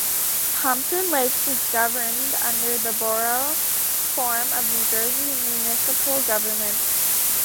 Pompton Lakes is governed under the Borough form of New Jersey municipal government.